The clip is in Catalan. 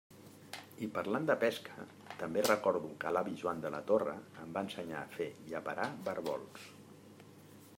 I parlant de pesca, també recordo que l'avi Joan de la Torre em va ensenyar a fer i a parar barbols.